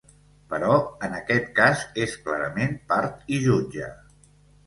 Però en aquest cas, és clarament part i jutge.